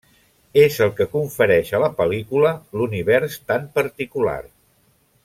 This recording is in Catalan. És el que confereix a la pel·lícula l'univers tan particular.